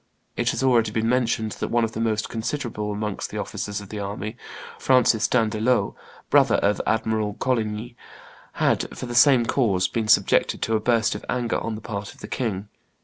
It has already been mentioned that one of the most considerable amongst the officers of the army, Francis d'Andelot, brother of Admiral Coligny, had, for the same cause, been subjected to a burst of anger on the part of the king.